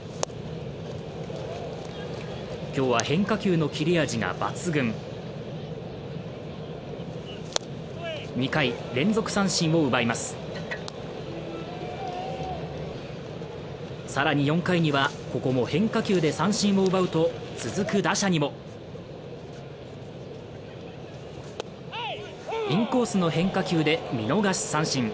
今日は変化球の切れ味が抜群２回連続三振を奪いますさらに４回にはここも変化球で三振を奪うと続く打者にもインコースの変化球で見逃し三振